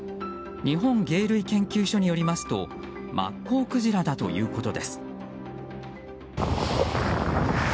日本鯨類研究所によりますとマッコウクジラだということです。